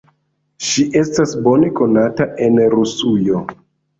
Ŝi estas bone konata en Rusujo.